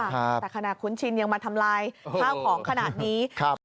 แต่ขณะคุ้นชินยังมาทำลายข้าวของขนาดนี้ครับ